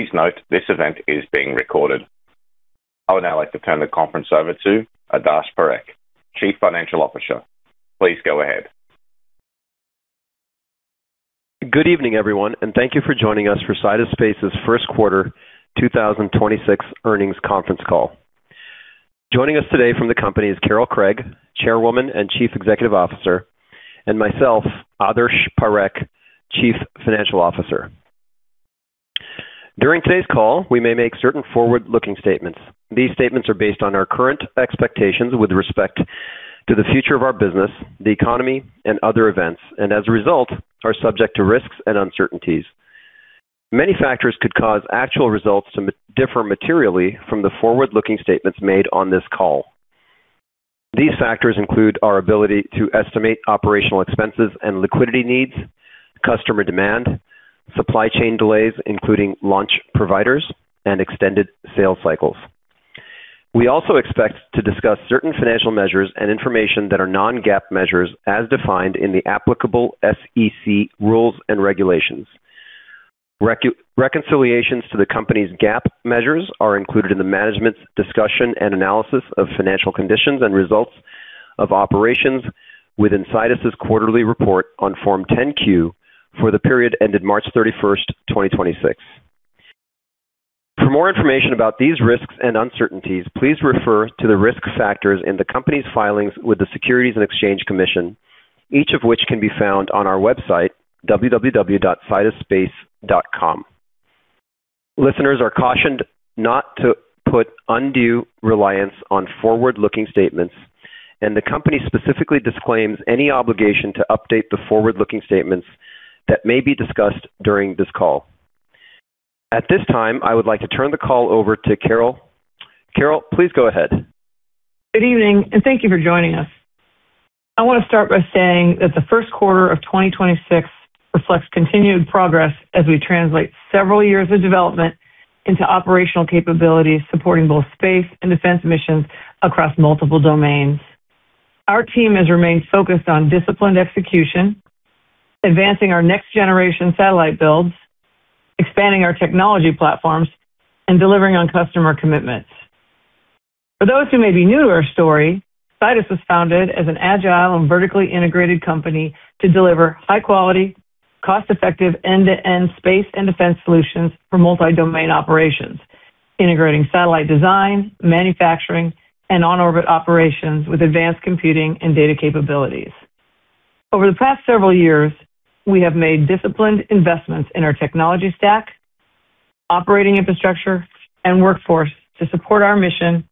Please note this event is being recorded. I would now like to turn the conference over to Adarsh Parekh, Chief Financial Officer. Please go ahead. Good evening, everyone, thank you for joining us for Sidus Space's First Quarter 2026 Earnings Conference call. Joining us today from the company is Carol Craig, Chairwoman and Chief Executive Officer, and myself, Adarsh Parekh, Chief Financial Officer. During today's call, we may make certain forward-looking statements. These statements are based on our current expectations with respect to the future of our business, the economy, and other events, and as a result, are subject to risks and uncertainties. Many factors could cause actual results to differ materially from the forward-looking statements made on this call. These factors include our ability to estimate operational expenses and liquidity needs, customer demand, supply chain delays, including launch providers and extended sales cycles. We also expect to discuss certain financial measures and information that are non-GAAP measures as defined in the applicable SEC rules and regulations. Reconciliations to the company's GAAP measures are included in the management's discussion and analysis of financial conditions and results of operations within Sidus's quarterly report on Form 10-Q for the period ended March 31st, 2026. For more information about these risks and uncertainties, please refer to the risk factors in the company's filings with the Securities and Exchange Commission, each of which can be found on our website, www.sidusspace.com. Listeners are cautioned not to put undue reliance on forward-looking statements. The company specifically disclaims any obligation to update the forward-looking statements that may be discussed during this call. At this time, I would like to turn the call over to Carol. Carol, please go ahead. Good evening, thank you for joining us. I want to start by saying that the first quarter of 2026 reflects continued progress as we translate several years of development into operational capabilities supporting both space and defense missions across multiple domains. Our team has remained focused on disciplined execution, advancing our next-generation satellite builds, expanding our technology platforms, and delivering on customer commitments. For those who may be new to our story, Sidus was founded as an agile and vertically integrated company to deliver high-quality, cost-effective end-to-end space and defense solutions for multi-domain operations, integrating satellite design, manufacturing, and on-orbit operations with advanced computing and data capabilities. Over the past several years, we have made disciplined investments in our technology stack, operating infrastructure, and workforce to support our mission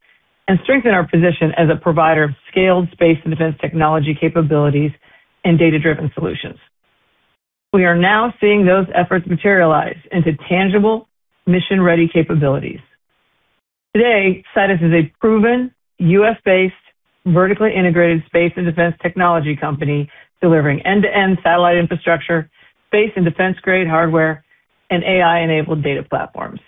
and strengthen our position as a provider of scaled space and defense technology capabilities and data-driven solutions. We are now seeing those efforts materialize into tangible mission-ready capabilities. Today, Sidus is a proven U.S.-based vertically integrated space and defense technology company delivering end-to-end satellite infrastructure, space and defense-grade hardware, and AI-enabled data platforms.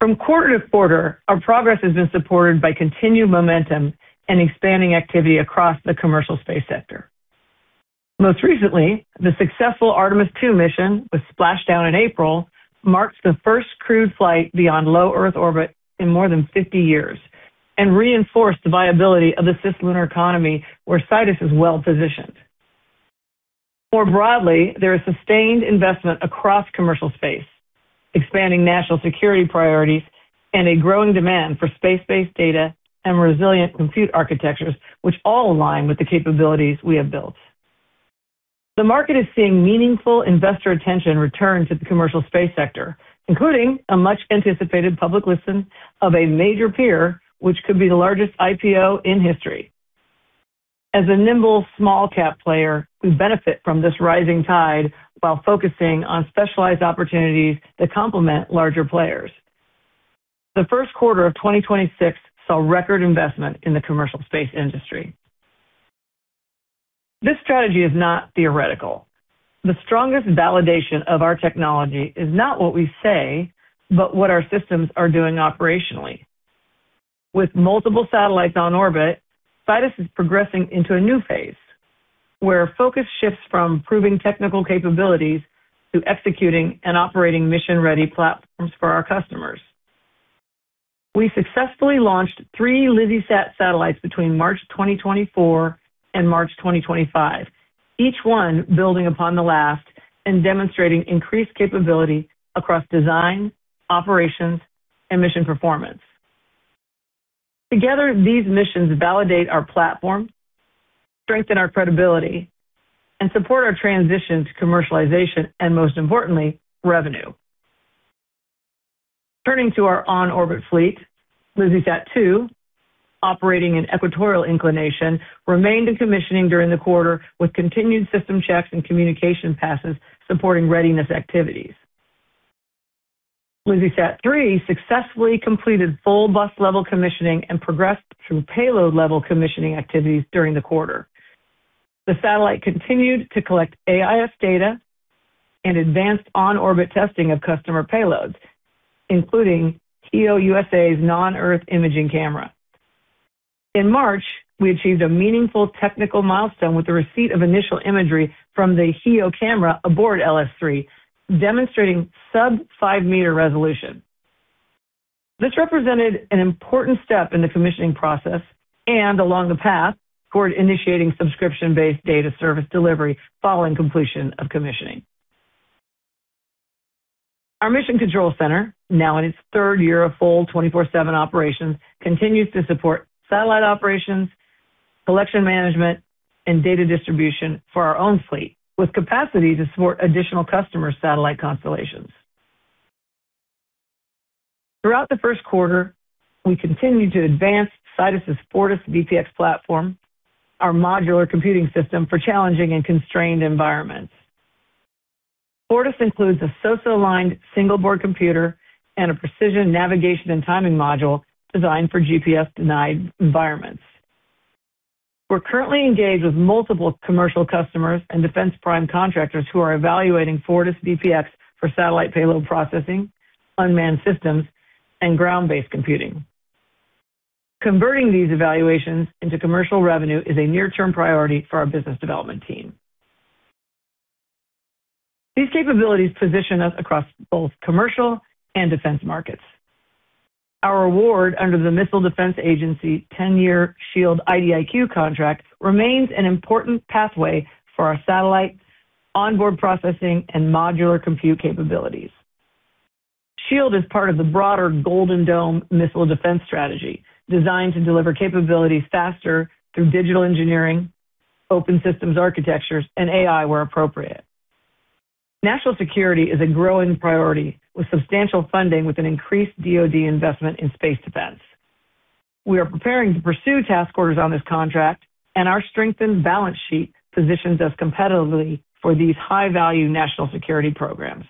From quarter to quarter, our progress has been supported by continued momentum and expanding activity across the commercial space sector. Most recently, the successful Artemis II mission was splashed down in April, marks the first crewed flight beyond Low Earth Orbit in more than 50 years and reinforced the viability of the cislunar economy, where Sidus is well-positioned. More broadly, there is sustained investment across commercial space, expanding national security priorities and a growing demand for space-based data and resilient compute architectures, which all align with the capabilities we have built. The market is seeing meaningful investor attention return to the commercial space sector, including a much-anticipated public listing of a major peer, which could be the largest IPO in history. As a nimble small-cap player, we benefit from this rising tide while focusing on specialized opportunities that complement larger players. The first quarter of 2026 saw record investment in the commercial space industry. This strategy is not theoretical. The strongest validation of our technology is not what we say, but what our systems are doing operationally. With multiple satellites on orbit, Sidus is progressing into a new phase, where focus shifts from proving technical capabilities to executing and operating mission-ready platforms for our customers. We successfully launched LizzieSat satellites between March 2024 and March 2025, each one building upon the last and demonstrating increased capability across design, operations, and mission performance. Together, these missions validate our platform, strengthen our credibility, and support our transition to commercialization and, most importantly, revenue. Turning to our on-orbit fleet, LizzieSat-2, operating an equatorial inclination, remained in commissioning during the quarter with continued system checks and communication passes supporting readiness activities. LizzieSat-3 successfully completed full bus level commissioning and progressed through payload-level commissioning activities during the quarter. The satellite continued to collect AIS data and advanced on-orbit testing of customer payloads, including HEO USA's non-Earth imaging camera. In March, we achieved a meaningful technical milestone with the receipt of initial imagery from the HEO camera aboard LS-3, demonstrating sub 5-meter resolution. This represented an important step in the commissioning process and along the path toward initiating subscription-based data service delivery following completion of commissioning. Our mission control center, now in its third year of full 24/7 operations, continues to support satellite operations, collection management, and data distribution for our own fleet, with capacity to support additional customer satellite constellations. Throughout the first quarter, we continued to advance Sidus Space's Fortis VPX platform, our modular computing system for challenging and constrained environments. Fortis includes a SOSA-aligned single board computer and a precision navigation and timing module designed for GPS-denied environments. We're currently engaged with multiple commercial customers and defense prime contractors who are evaluating Fortis VPX for satellite payload processing, unmanned systems, and ground-based computing. Converting these evaluations into commercial revenue is a near-term priority for our business development team. These capabilities position us across both commercial and defense markets. Our award under the Missile Defense Agency 10-year SHIELD IDIQ contract remains an important pathway for our satellite, onboard processing, and modular compute capabilities. SHIELD is part of the broader Golden Dome missile defense strategy, designed to deliver capabilities faster through digital engineering, open systems architectures, and AI where appropriate. National security is a growing priority, with substantial funding with an increased DoD investment in space defense. We are preparing to pursue task orders on this contract, and our strengthened balance sheet positions us competitively for these high-value national security programs.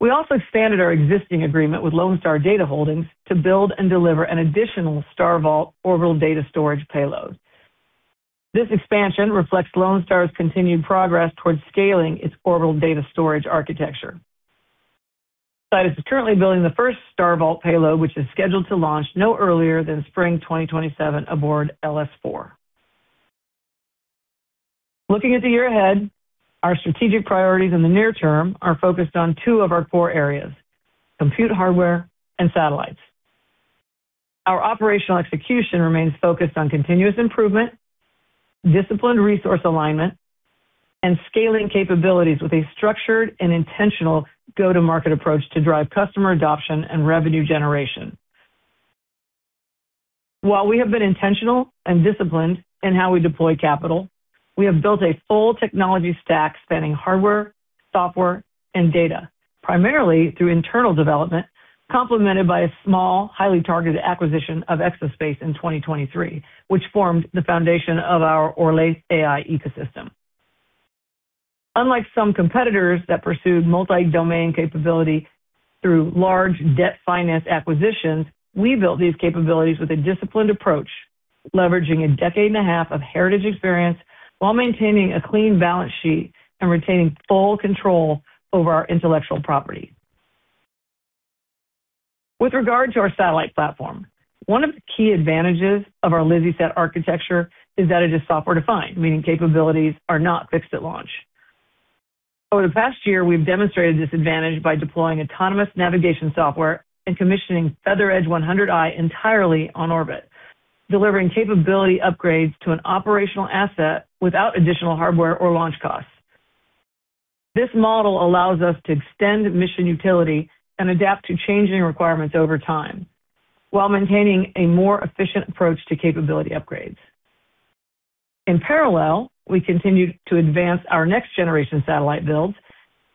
We also expanded our existing agreement with Lonestar Data Holdings to build and deliver an additional StarVault orbital data storage payload. This expansion reflects Lonestar's continued progress towards scaling its orbital data storage architecture. Leidos is currently building the first StarVault payload, which is scheduled to launch no earlier than spring 2027 aboard LS-4. Looking at the year ahead, our strategic priorities in the near term are focused on two of our four areas: compute hardware and satellites. Our operational execution remains focused on continuous improvement, disciplined resource alignment, and scaling capabilities with a structured and intentional go-to-market approach to drive customer adoption and revenue generation. While we have been intentional and disciplined in how we deploy capital, we have built a full technology stack spanning hardware, software, and data, primarily through internal development, complemented by a small, highly targeted acquisition of Exo-Space in 2023, which formed the foundation of our Orlaith AI ecosystem. Unlike some competitors that pursued multi-domain capability through large debt finance acquisitions, we built these capabilities with a disciplined approach, leveraging a decade and a half of heritage experience while maintaining a clean balance sheet and retaining full control over our intellectual property. With regard to our satellite platform, one of the key advantages of our LizzieSat architecture is that it is software-defined, meaning capabilities are not fixed at launch. Over the past year, we've demonstrated this advantage by deploying autonomous navigation software and commissioning FeatherEdge 100i entirely on orbit, delivering capability upgrades to an operational asset without additional hardware or launch costs. This model allows us to extend mission utility and adapt to changing requirements over time while maintaining a more efficient approach to capability upgrades. In parallel, we continued to advance our next-generation satellite builds,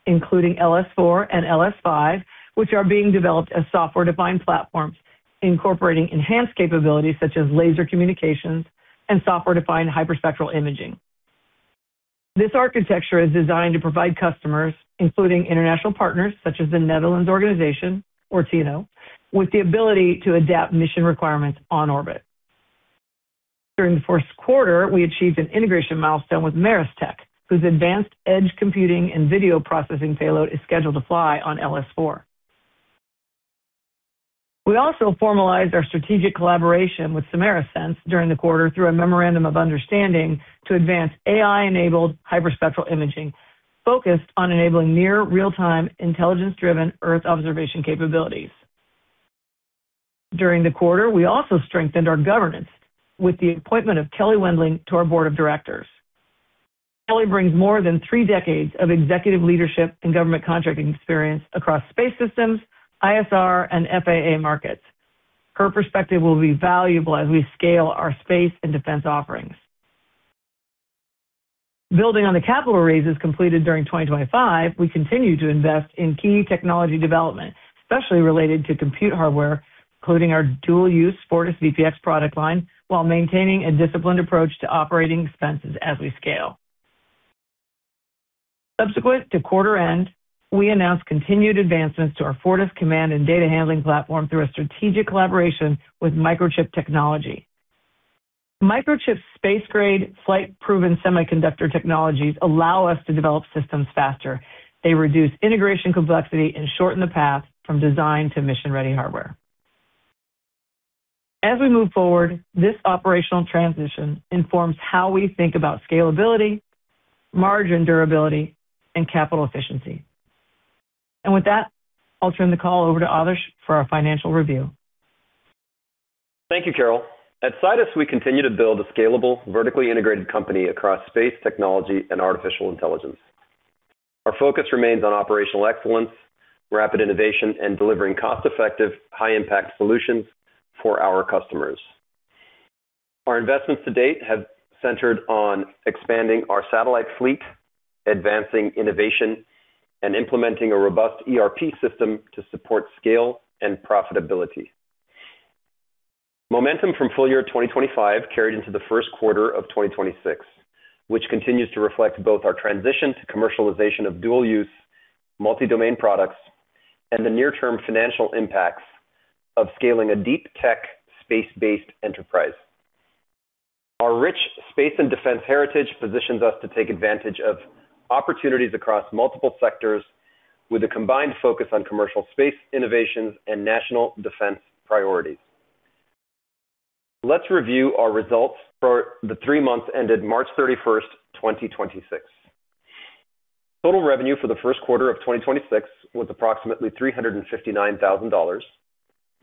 including LS-4 and LS-5, which are being developed as software-defined platforms, incorporating enhanced capabilities such as laser communications and software-defined hyperspectral imaging. This architecture is designed to provide customers, including international partners such as the Netherlands Organisation, or TNO, with the ability to adapt mission requirements on orbit. During the first quarter, we achieved an integration milestone with Maris-Tech, whose advanced edge computing and video processing payload is scheduled to fly on LS-4. We also formalized our strategic collaboration with Simera Sense during the quarter through a memorandum of understanding to advance AI-enabled hyperspectral imaging focused on enabling near real-time intelligence-driven Earth observation capabilities. During the quarter, we also strengthened our governance with the appointment of Kelle Wendling to our board of directors. Kelle brings more than three decades of executive leadership and government contracting experience across space systems, ISR, and FAA markets. Her perspective will be valuable as we scale our space and defense offerings. Building on the capital raises completed during 2025, we continue to invest in key technology development, especially related to compute hardware, including our dual-use Fortis VPX product line, while maintaining a disciplined approach to operating expenses as we scale. Subsequent to quarter end, we announced continued advancements to our Fortis through a strategic collaboration with Microchip Technology Inc. Microchip's space-grade flight-proven semiconductor technologies allow us to develop systems faster. They reduce integration complexity and shorten the path from design to mission-ready hardware. As we move forward, this operational transition informs how we think about scalability, margin durability, and capital efficiency. With that, I'll turn the call over to Adarsh for our financial review. Thank you, Carol. At Sidus, we continue to build a scalable, vertically integrated company across space technology and artificial intelligence. Our focus remains on operational excellence, rapid innovation, and delivering cost-effective, high-impact solutions for our customers. Our investments to date have centered on expanding our satellite fleet, advancing innovation, and implementing a robust ERP system to support scale and profitability. Momentum from full year 2025 carried into the first quarter of 2026, which continues to reflect both our transition to commercialization of dual-use multi-domain products and the near-term financial impacts of scaling a deep tech space-based enterprise. Our rich space and defense heritage positions us to take advantage of opportunities across multiple sectors with a combined focus on commercial space innovations and national defense priorities. Let's review our results for the three months ended March 31st, 2026. Total revenue for the first quarter of 2026 was approximately $359,000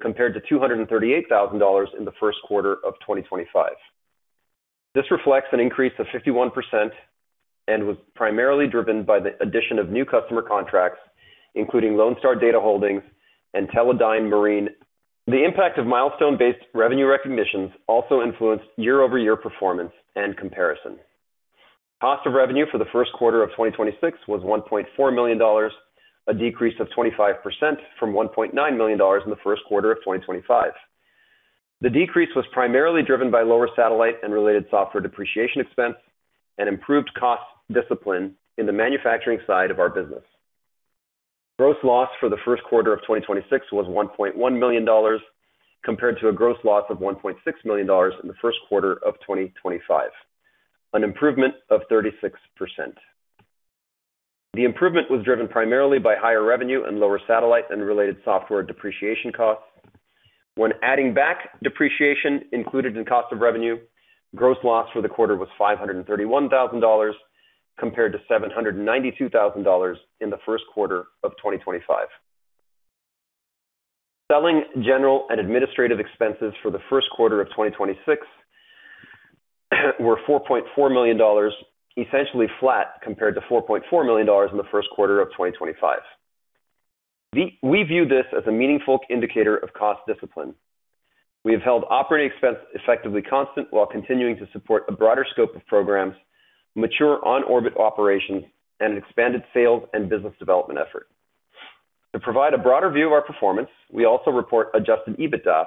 compared to $238,000 in the first quarter of 2025. This reflects an increase of 51% and was primarily driven by the addition of new customer contracts, including Lonestar Data Holdings and Teledyne Marine. The impact of milestone-based revenue recognitions also influenced year-over-year performance and comparison. Cost of revenue for the first quarter of 2026 was $1.4 million, a decrease of 25% from $1.9 million in the first quarter of 2025. The decrease was primarily driven by lower satellite and related software depreciation expense and improved cost discipline in the manufacturing side of our business. Gross loss for the first quarter of 2026 was $1.1 million compared to a gross loss of $1.6 million in the first quarter of 2025, an improvement of 36%. The improvement was driven primarily by higher revenue and lower satellite and related software depreciation costs. When adding back depreciation included in cost of revenue, gross loss for the quarter was $531,000 compared to $792,000 in the first quarter of 2025. Selling general and administrative expenses for the first quarter of 2026 were $4.4 million, essentially flat compared to $4.4 million in the first quarter of 2025. We view this as a meaningful indicator of cost discipline. We have held operating expense effectively constant while continuing to support a broader scope of programs, mature on-orbit operations, and an expanded sales and business development effort. To provide a broader view of our performance, we also report adjusted EBITDA,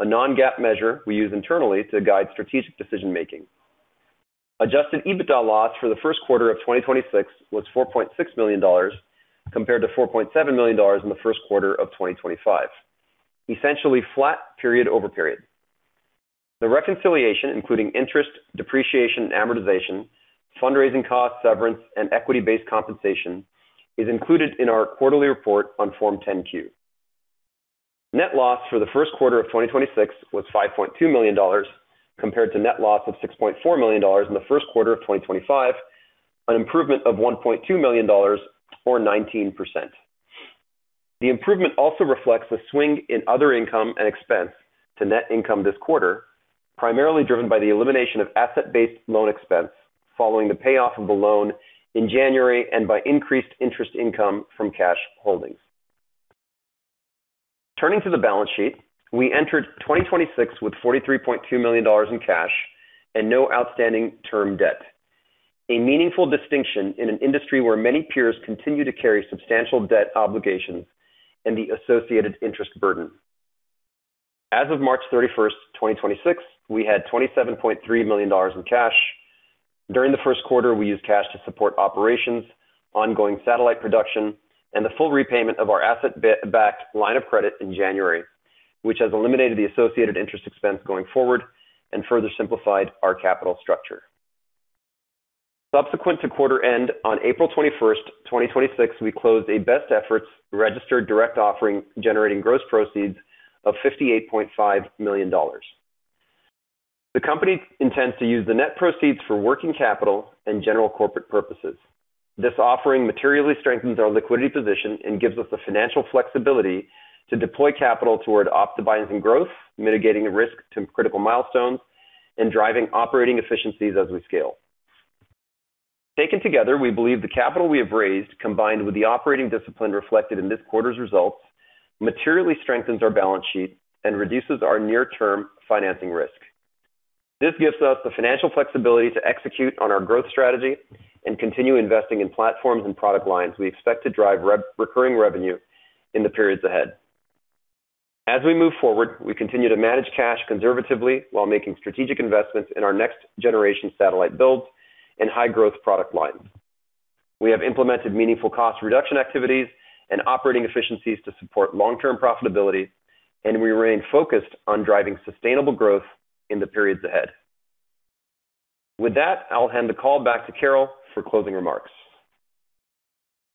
a non-GAAP measure we use internally to guide strategic decision-making. Adjusted EBITDA loss for the first quarter of 2026 was $4.6 million compared to $4.7 million in the first quarter of 2025, essentially flat period-over-period. The reconciliation, including interest, depreciation, and amortization, fundraising costs, severance, and equity-based compensation, is included in our quarterly report on Form 10-Q. Net loss for the first quarter of 2026 was $5.2 million compared to net loss of $6.4 million in the first quarter of 2025, an improvement of $1.2 million or 19%. The improvement also reflects a swing in other income and expense to net income this quarter, primarily driven by the elimination of asset-based loan expense following the payoff of the loan in January and by increased interest income from cash holdings. Turning to the balance sheet, we entered 2026 with $43.2 million in cash and no outstanding term debt, a meaningful distinction in an industry where many peers continue to carry substantial debt obligations and the associated interest burden. As of March 31st, 2026, we had $27.3 million in cash. During the first quarter, we used cash to support operations, ongoing satellite production, and the full repayment of our asset-backed line of credit in January, which has eliminated the associated interest expense going forward and further simplified our capital structure. Subsequent to quarter-end, on April 21st, 2026, we closed a best efforts registered direct offering generating gross proceeds of $58.5 million. The company intends to use the net proceeds for working capital and general corporate purposes. This offering materially strengthens our liquidity position and gives us the financial flexibility to deploy capital toward optimizing growth, mitigating risk to critical milestones, and driving operating efficiencies as we scale. Taken together, we believe the capital we have raised, combined with the operating discipline reflected in this quarter's results, materially strengthens our balance sheet and reduces our near-term financing risk. This gives us the financial flexibility to execute on our growth strategy and continue investing in platforms and product lines we expect to drive re-recurring revenue in the periods ahead. As we move forward, we continue to manage cash conservatively while making strategic investments in our next-generation satellite builds and high-growth product lines. We have implemented meaningful cost reduction activities and operating efficiencies to support long-term profitability, and we remain focused on driving sustainable growth in the periods ahead. With that, I'll hand the call back to Carol for closing remarks.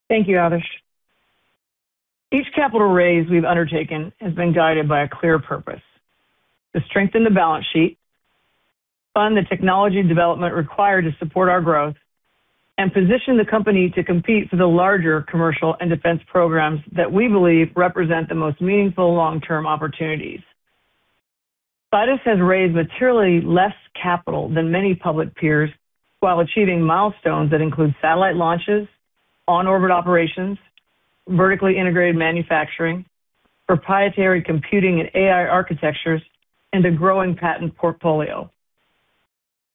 Thank you, Adarsh Parekh. Each capital raise we've undertaken has been guided by a clear purpose, to strengthen the balance sheet, fund the technology and development required to support our growth, and position the company to compete for the larger commercial and defense programs that we believe represent the most meaningful long-term opportunities. Sidus has raised materially less capital than many public peers while achieving milestones that include satellite launches, on-orbit operations, vertically integrated manufacturing, proprietary computing and AI architectures, and a growing patent portfolio.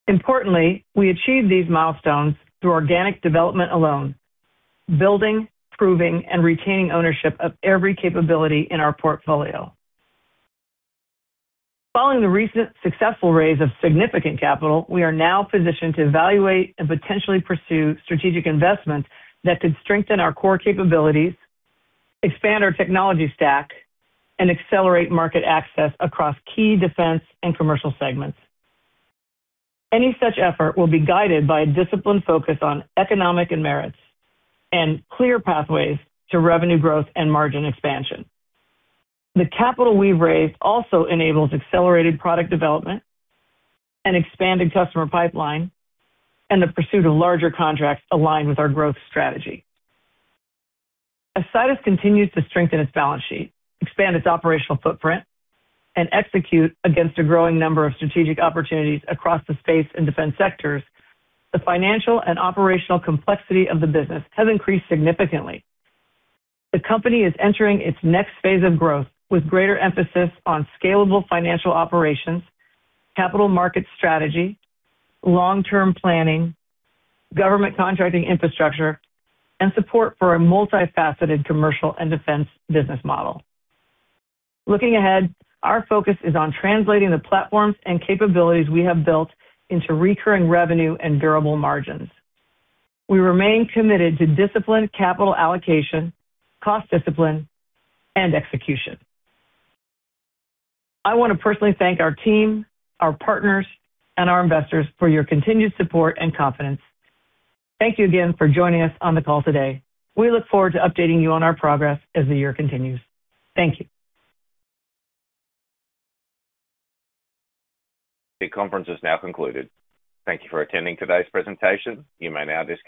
Importantly, we achieved these milestones through organic development alone, building, proving, and retaining ownership of every capability in our portfolio. Following the recent successful raise of significant capital, we are now positioned to evaluate and potentially pursue strategic investments that could strengthen our core capabilities, expand our technology stack, and accelerate market access across key defense and commercial segments. Any such effort will be guided by a disciplined focus on economic and merits and clear pathways to revenue growth and margin expansion. The capital we've raised also enables accelerated product development and expanded customer pipeline and the pursuit of larger contracts aligned with our growth strategy. As Sidus continues to strengthen its balance sheet, expand its operational footprint, and execute against a growing number of strategic opportunities across the space and defense sectors, the financial and operational complexity of the business has increased significantly. The company is entering its next phase of growth with greater emphasis on scalable financial operations, capital market strategy, long-term planning, government contracting infrastructure, and support for a multifaceted commercial and defense business model. Looking ahead, our focus is on translating the platforms and capabilities we have built into recurring revenue and durable margins. We remain committed to disciplined capital allocation, cost discipline, and execution. I wanna personally thank our team, our partners, and our investors for your continued support and confidence. Thank you again for joining us on the call today. We look forward to updating you on our progress as the year continues. Thank you. The conference is now concluded. Thank you for attending today's presentation. You may now disconnect.